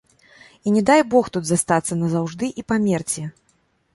І не дай бог тут застацца назаўжды і памерці.